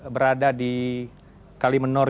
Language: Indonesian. berada di kalimenur